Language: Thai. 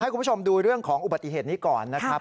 คุณผู้ชมดูเรื่องของอุบัติเหตุนี้ก่อนนะครับ